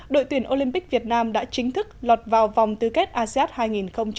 đội tuyển olympic việt nam đã chính thức lọt vào vòng tư kết asean hai nghìn một mươi tám